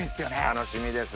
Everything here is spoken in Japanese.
楽しみです。